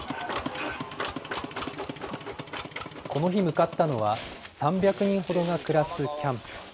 この日、向かったのは３００人ほどが暮らすキャンプ。